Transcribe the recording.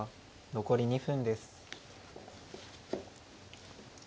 残り２分です。